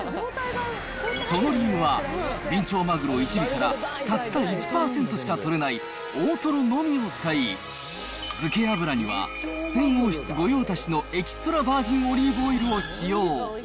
その理由は、ビンチョウマグロ１尾からたった１％しか取れない大トロのみを使い、漬け油には、スペイン王室御用達のエキストラバージンオリーブオイルを使用。